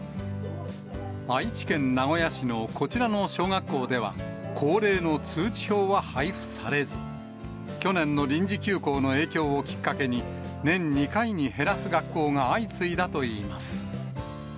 愛知県名古屋市のこちらの小学校では、恒例の通知表は配付されず、去年の臨時休校の影響をきっかけに、年２回に減らす学校が相次いだといいます。